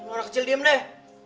orang kecil diam deh